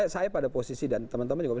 saya pada posisi dan teman teman juga